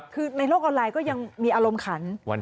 คือในโลกออนไลน์ก็ยังมีอารมณ์ขัน